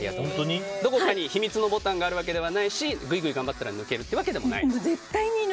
どこかに秘密のボタンがあるわけじゃないしぐいぐい頑張ったら抜けるっていうわけでもないです。